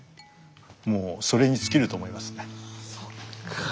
もうそれに尽きると思いますね。